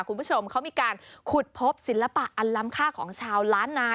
คุณผู้ชมเขามีการขุดพบศิลปะอันล้ำค่าของชาวล้านนา